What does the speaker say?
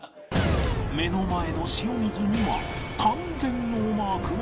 目の前の塩水には完全ノーマークの良純